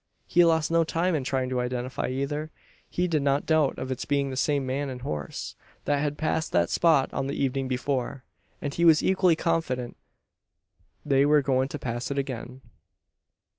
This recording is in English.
He lost no time in trying to identify either. He did not doubt of its being the same man and horse, that had passed that spot on the evening before; and he was equally confident they were going to pass it again.